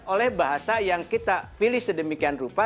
oleh bahasa yang kita pilih sedemikian rupa